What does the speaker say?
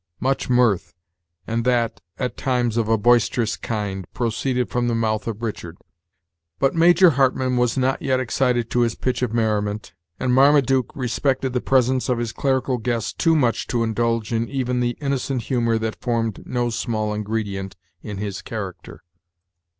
Much mirth, and that, at times, of a boisterous kind, proceeded from the mouth of Richard; but Major Hartmann was not yet excited to his pitch of merriment, and Marmaduke respected the presence of his clerical guest too much to indulge in even the innocent humor that formed no small ingredient in his character.